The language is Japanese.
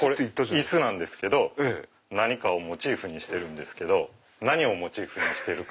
椅子なんですけど何かをモチーフにしてるんです何をモチーフにしてるか。